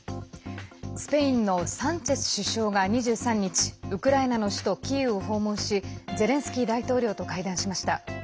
スペインのサンチェス首相が２３日ウクライナの首都キーウを訪問しゼレンスキー大統領と会談しました。